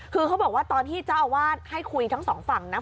คือเขาบอกว่าตอนที่เจ้าอาวาสให้คุยทั้งสองฝั่งนะ